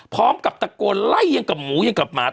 พร้อมกับตะโกนไล่ยังกับหมูยังกับหมา